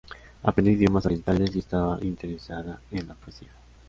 Aprendió idiomas orientales y estaba interesada en la poesía.